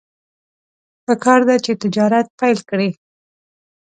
پکار ده چې تجارت پیل کړي.